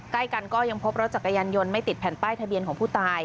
ใกล้กันก็ยังพบรถจักรยานยนต์ไม่ติดแผ่นป้ายทะเบียนของผู้ตาย